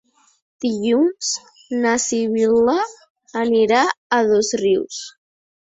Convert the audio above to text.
Dilluns na Sibil·la anirà a Dosrius.